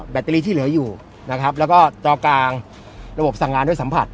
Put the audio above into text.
แตรีที่เหลืออยู่นะครับแล้วก็จอกลางระบบสั่งงานด้วยสัมผัส